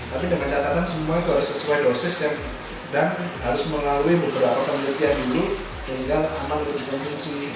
tapi dengan catatan semua sesuai dosis dan harus melalui beberapa penelitian dulu sehingga aman untuk berfungsi